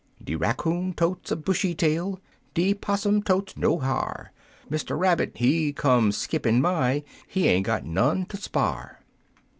De raccoon totes a bushy tail, De 'possum totes no ha'r, Mr. Rabbit, he come skippin'by, He ain't got none ter spar".